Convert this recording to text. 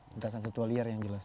lintasan satwa liar yang jelas